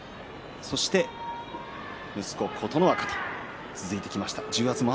そして息子の琴ノ若と続いていきました。